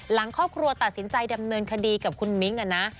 หลังครอบครัวตัดสินใจดำเนินคดีกับคุณมิ้งนะ